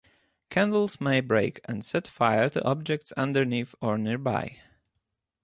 Candles may break and set fire to objects underneath or nearby.